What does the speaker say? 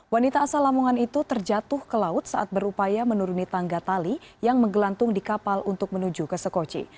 wanita asal lamongan itu terjatuh ke laut saat berupaya menuruni tangga tali yang menggelantung di kapal untuk menuju ke sekoci